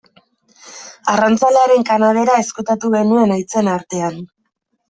Arrantzalearen kanabera ezkutatu genuen haitzen artean.